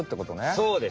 そうです。